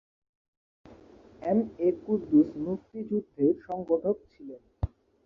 M A Kuddus মুক্তিযুদ্ধের সংগঠক ছিলেন।